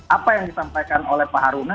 apa yang disampaikan oleh pak haruna